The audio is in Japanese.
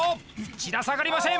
千田下がりません！